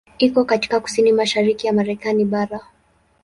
Iko katika kusini-mashariki ya Marekani bara.